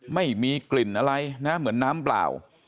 ไม่มีกลิ่นอะไรนะเหมือนน้ำเปล่า